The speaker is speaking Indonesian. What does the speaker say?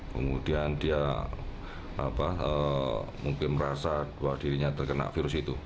kemudian dia mungkin merasa dua dirinya terkena virus itu